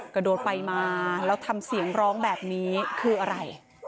กระโดดไปมาแล้วทำเสียงร้องแบบนี้คืออะไร